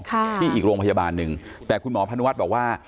ที่อีกโรงพยาบาลหนึ่งแต่คุณหมอพนุวัฒน์บอกว่า